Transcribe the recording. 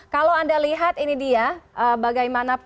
kalau anda lihat ini dia bagaimana